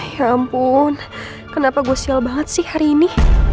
ya ampun kenapa gue sial banget sih hari ini